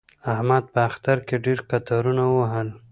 احمد په اختر کې ډېر قطارونه ووهل.